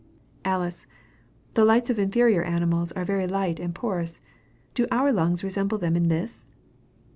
Alice. The lights of inferior animals are very light and porous do our lungs resemble them in this?